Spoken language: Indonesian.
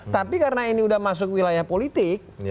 tapi karena ini sudah masuk wilayah politik